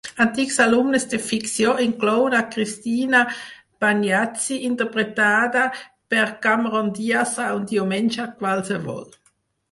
Antics alumnes de ficció inclouen a Cristina Pagniacci, interpretada per Cameron Diaz a "Un diumenge qualsevol".